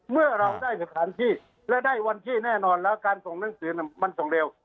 เมื่อเราได้สถานที่และได้วันที่แน่นอนแล้วการส่งหนังสือมันส่งเร็ว